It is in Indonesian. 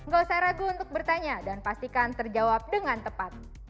gak usah ragu untuk bertanya dan pastikan terjawab dengan tepat